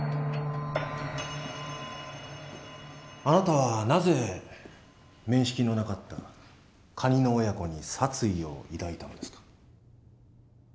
あなたはなぜ面識のなかったカニの親子に殺意を抱いたのですか？